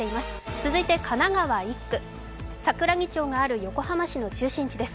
続いて、神奈川１区、桜木町がある横浜市の中心部です。